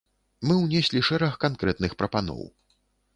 Мы ўнеслі шэраг канкрэтных прапаноў.